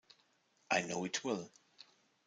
I know it will.